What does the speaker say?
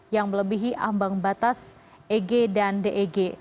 yang melebihi ambang batas eg dan deg